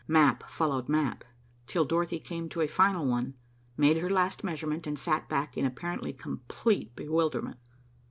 Map followed map, till Dorothy came to a final one, made her last measurement, and sat back in apparently complete bewilderment.